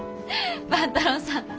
万太郎さん